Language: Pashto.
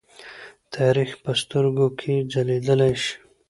تاریخ په سترګو کې ځليدلی شي.